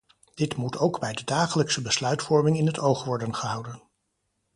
Dit moet ook bij de dagelijkse besluitvorming in het oog worden gehouden.